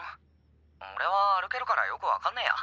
オレは歩けるからよく分かんねえや！